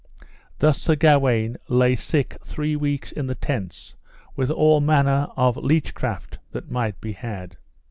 Thus Sir Gawaine lay sick three weeks in his tents, with all manner of leech craft that might be had.